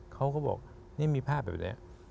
เขาก็บอกนี่มีผ้าแบบนี้